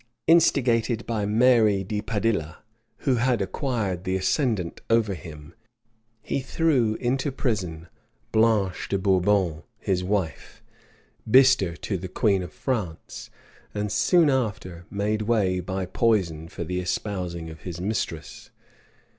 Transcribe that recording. Instigated by Mary de Padilla, who had acquired the ascendant over him, he threw into prison Blanche de Bourbon, his wife, Bister to the queen of France; and soon after made way by poison for the espousing of his mistress.